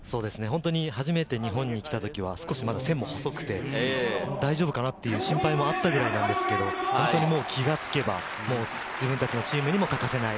初めて日本に来た時は線も細くて大丈夫かな？という心配もあったんですけれど、気が付けば自分たちのチームに欠かせない。